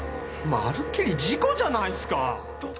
まるっきり事故じゃないすか！